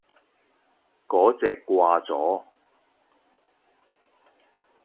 嗰隻掛咗